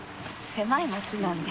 狭い町なんで。